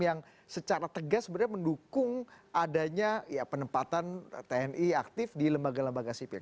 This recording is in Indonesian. yang secara tegas sebenarnya mendukung adanya penempatan tni aktif di lembaga lembaga sipil